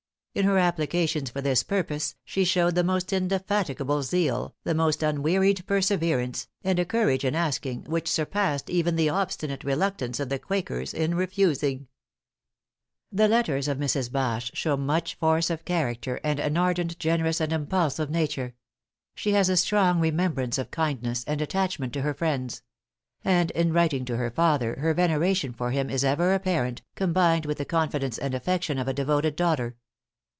In her applications for this purpose, she showed the most indefatigable zeal, the most unwearied perseverance, and a courage in asking, which surpassed even the obstinate reluctance of the Quakers in refusing." The letters of Mrs. Bache show much force of character, and an ardent, generous and impulsive nature. She has a strong remembrance of kindness, and attachment to her friends; and in writing to her father her veneration for him is ever apparent, combined with the confidence and affection of a devoted daughter.